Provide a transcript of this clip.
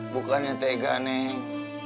bukannya tegak neng